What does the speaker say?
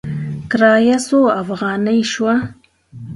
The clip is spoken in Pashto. کرایه څو افغانې شوه؟